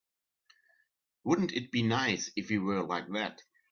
Wouldn't it be nice if we were like that?